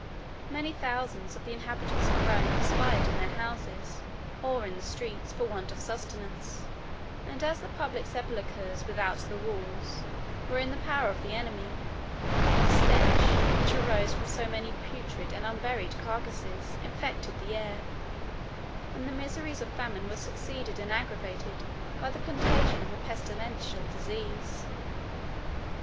76 Many thousands of the inhabitants of Rome expired in their houses, or in the streets, for want of sustenance; and as the public sepulchres without the walls were in the power of the enemy the stench, which arose from so many putrid and unburied carcasses, infected the air; and the miseries of famine were succeeded and aggravated by the contagion of a pestilential disease.